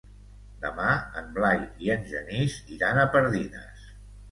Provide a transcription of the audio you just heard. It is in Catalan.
Demà en Blai i en Genís iran a Pardines.